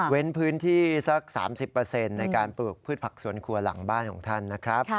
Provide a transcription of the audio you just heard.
พื้นที่สัก๓๐ในการปลูกพืชผักสวนครัวหลังบ้านของท่านนะครับ